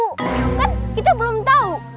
kan kita belum tau